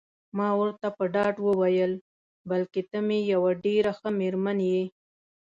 ما ورته په ډاډ وویل: بلکل ته مې یوه ډېره ښه میرمن یې.